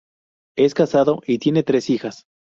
Es casado y tiene tres hijas.